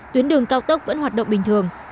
tuyến đường cao tốc vẫn hoạt động bình thường